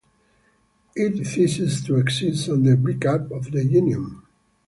It ceased to exist on the breakup of the Union.